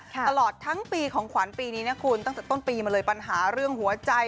ตลอดทั้งปีของขวัญปีนี้นะคุณตั้งแต่ต้นปีมาเลยปัญหาเรื่องหัวใจ